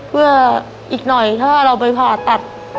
เพื่ออีกหน่อยถ้าเราไปผ่าตัด